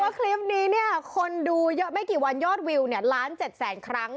ในคลิปนี้คนดูไม่พอกว่ายอดวิว๑๗ล้าครั้ง